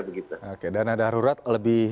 begitu oke dana darurat lebih